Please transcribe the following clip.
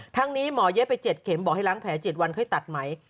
นี้หมอเย็บไป๗เข็มบอกให้ล้างแผล๗วันค่อยตัดไหม